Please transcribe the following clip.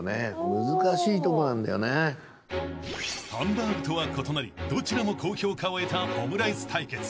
［ハンバーグとは異なりどちらも高評価を得たオムライス対決］